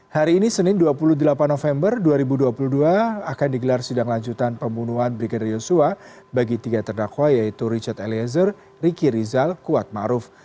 hari ini senin dua puluh delapan november dua ribu dua puluh dua akan digelar sidang lanjutan pembunuhan brigadir yosua bagi tiga terdakwa yaitu richard eliezer ricky rizal kuat ⁇ maruf ⁇